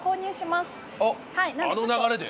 あの流れで？